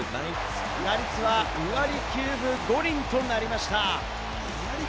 打率は２割９分５厘となりました。